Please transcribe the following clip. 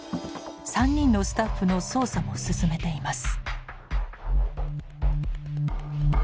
３人のスタッフの捜査も進めています。